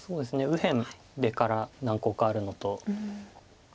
右辺出から何コウかあるのと。